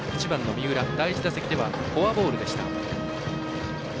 三浦は第１打席ではフォアボールでした。